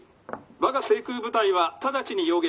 我が制空部隊は直ちに邀撃」。